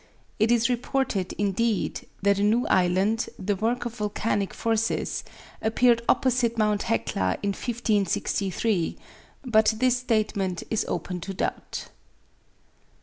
It is reported, indeed, that a new island, the work of volcanic forces, appeared opposite Mount Hecla in 1563; but this statement is open to doubt.